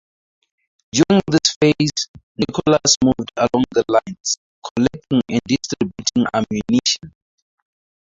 During this phase, Nicholas moved along the lines, collecting and distributing ammunition.